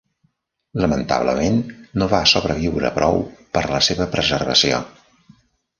Lamentablement, no va sobreviure prou per la seva preservació.